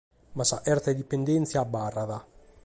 Ma sa cherta de dipendèntzia abarrat.